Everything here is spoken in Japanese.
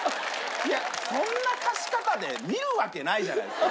いやそんな貸し方で見るわけないじゃないですか。